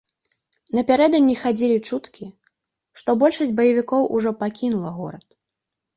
Напярэдадні хадзілі чуткі, што большасць баевікоў ужо пакінула горад.